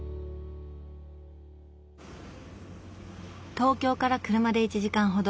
東京から車で１時間ほど。